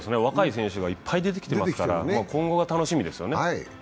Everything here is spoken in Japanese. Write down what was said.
若い人たちがいっぱい出てきてますから今後が楽しみですね。